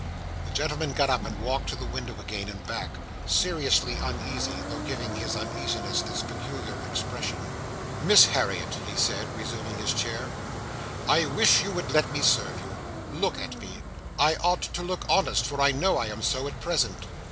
'" The gentleman got up and walked to the window again and back: seriously uneasy, though giving his uneasiness this peculiar expression. "Miss Harriet," he said, resuming his chair, "I wish you would let me serve you. Look at me; I ought to look honest, for I know I am so, at present.